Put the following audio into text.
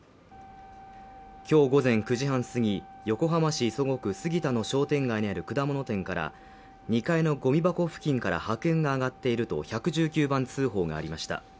今日午前９時半過ぎ、横浜市磯子区杉田商店街にある果物店から２階のごみ箱付近から白煙が上がっていると１１９番通報がありました。